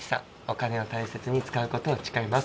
「お金を大切に使うことを誓います」。